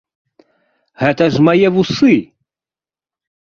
Гэта ж мае вусы!